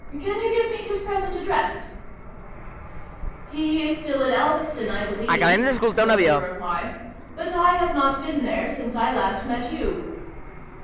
Can you give me his present address ?"" He is still at Elveston 1 believe," was the reply. "But I have not been there since I last met you."